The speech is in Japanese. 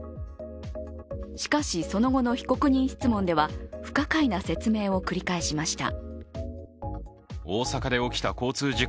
しかし、その後の被告人質問では不可解な説明を繰り返しました。